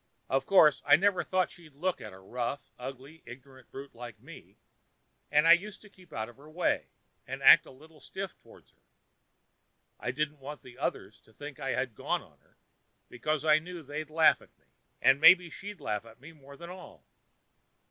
Of course, I never thought she'd look at a rough, ugly, ignorant brute like me, and I used to keep out of her way and act a little stiff towards her; I didn't want the others to think I was gone on her, because I knew they'd laugh at me, and maybe she'd laugh at me more than all.